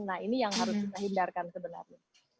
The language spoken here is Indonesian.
nah ini yang harus kita hindarkan sebenarnya